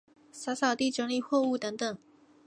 扫扫地、整理货物等等